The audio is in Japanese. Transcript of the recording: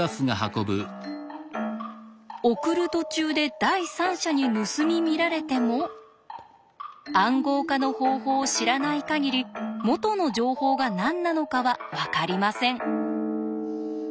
送る途中で第三者に盗み見られても暗号化の方法を知らない限り元の情報が何なのかはわかりません。